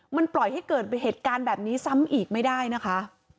มันปล่อยให้เกิดเหตุการณ์แบบนี้ซ้ำอีกไม่ได้นะคะ